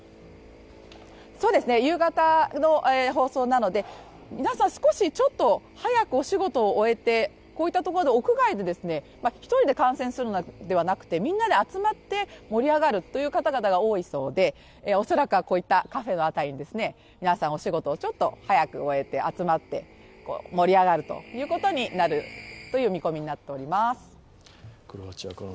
そうですね、夕方の放送なので、皆さん、ちょっと早くお仕事を終えてこういった屋外で一人で観戦するのではなくてみんなで集まって盛り上がるという方々が多いそうでおそらくはこういったカフェの辺りに皆さんお仕事をちょっと早く終えて集まって盛り上がるということになるという見込みになっております。